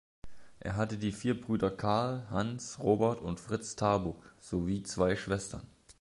Er hatte die vier Brüder Karl, Hans, Robert und Fritz Tarbuk sowie zwei Schwestern.